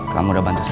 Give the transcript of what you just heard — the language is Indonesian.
kamu udah bantu saya